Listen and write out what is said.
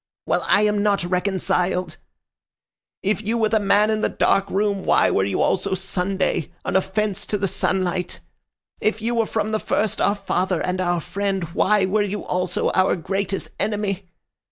Well, I am not reconciled. If you were the man in the dark room, why were you also Sunday, an offense to the sunlight? If you were from the first our father and our friend, why were you also our greatest enemy?